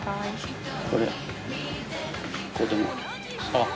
あっ。